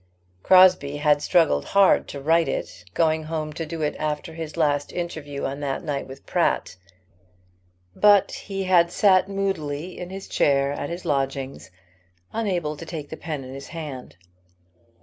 Crosbie had struggled hard to write it, going home to do it after his last interview on that night with Pratt. But he had sat moodily in his chair at his lodgings, unable to take the pen in his hand.